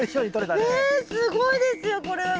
すごいですよこれは。